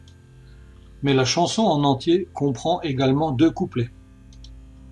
Mais la chanson en entier comprend également deux couplets.